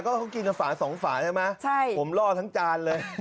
เขากินกับฝาสองฝาใช่ไหมผมล่อทั้งจานเลย